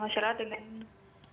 suara masyarakat dengan